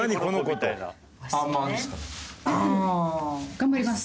頑張ります。